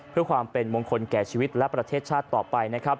เพื่อความเป็นมงคลแก่ชีวิตและประเทศชาติต่อไปนะครับ